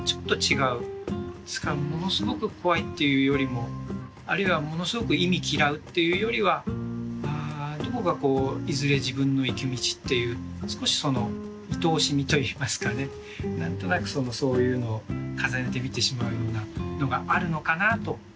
ですからものすごく怖いっていうよりもあるいはものすごく忌み嫌うっていうよりはどこかこういずれ自分の行く道っていう少しそのいとおしみといいますかね何となくそのそういうのを重ねて見てしまうようなのがあるのかなと。